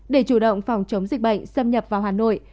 để chủ động phòng chống dịch bệnh xâm nhập vào hà nội